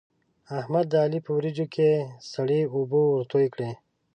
احمد د علي په وريجو کې سړې اوبه ورتوی کړې.